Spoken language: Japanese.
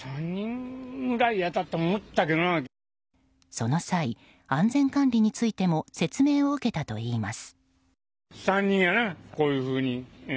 その際、安全管理についても説明を受けたといいます。